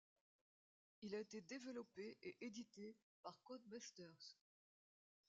Il a été développé et édité par Codemasters.